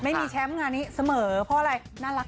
ไม่มีแชมป์งานนี้เสมอเพราะอะไร